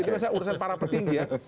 itu biasanya urusan para petinggi ya